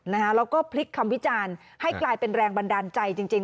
แล้วก็พลิกคำวิจารณ์ให้กลายเป็นแรงบันดาลใจจริง